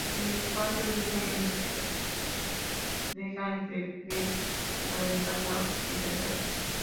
El espacio libre entre las dos deja entrever la ventana occidental.